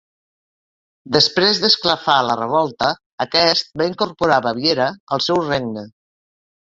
Després d'esclafar la revolta, aquest va incorporar Baviera al seu regne.